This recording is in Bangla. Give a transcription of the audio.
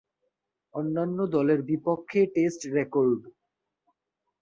অন্যান্য দলের বিপক্ষে টেস্ট রেকর্ড